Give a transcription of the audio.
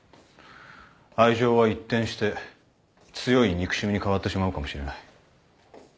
愛情は一転して強い憎しみに変わってしまうかもしれない。